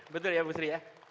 betul ya bu sri ya